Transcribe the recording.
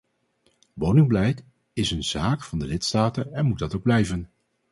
Woningbeleid is een zaak van de lidstaten en moet dat ook blijven.